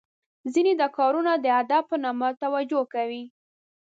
ځینې دا کارونه د ادب په نامه توجه کوي .